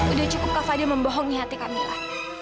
udah cukup kak fadil membohongi hati kamila